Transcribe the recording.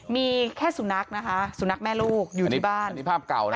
มีแค่สุนัขนะคะสุนัขแม่ลูกอยู่ในบ้านนี่ภาพเก่านะ